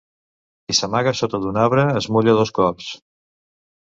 Qui s'amaga sota d'un arbre es mulla dos cops.